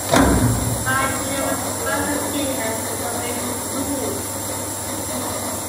Vine Junior was first educated at reservation schools.